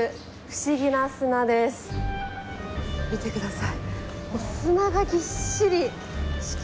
見てください。